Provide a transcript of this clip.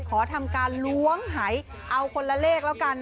ขอทำการล้วงหายเอาคนละเลขแล้วกัน